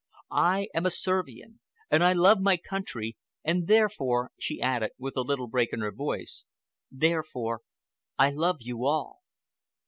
I am a Servian, and I love my country, and therefore," she added, with a little break in her voice,—"therefore I love you all."